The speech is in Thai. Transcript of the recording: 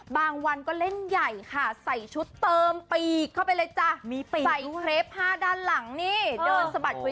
บางวันก็เล่นใหญ่ค่ะใส่ชุดเติมปีกเข้าไปเลยจ้ะใส่เครป๕ด้านหลังนี่เดินสะบัดคุย